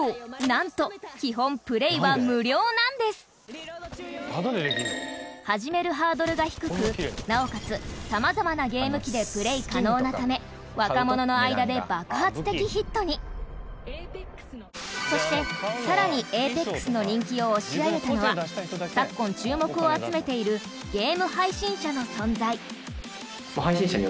なんと基本、プレイは無料なんです始めるハードルが低くなおかつ、さまざまなゲーム機でプレイ可能なため若者の間で爆発的ヒットにそして、更に『ＡＰＥＸ』の人気を押し上げたのは昨今、注目を集めているゲーム配信者の存在